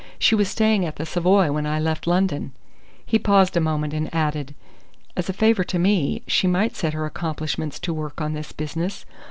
She was staying at the Savoy when I left London." He paused a moment, and added: "As a favour to me, she might set her accomplishments to work on this business.